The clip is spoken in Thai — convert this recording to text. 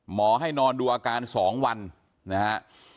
หมอให้นอนดูอาการ๒วันนะฮะ